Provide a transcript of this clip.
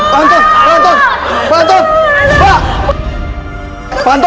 ya allah ya allah